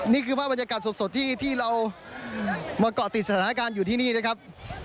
นี่คือภาพบรรยากาศสดที่เรามาเกาะติดสถานการณ์อยู่ที่นี่นะครับ